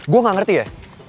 gue gak ngerti ya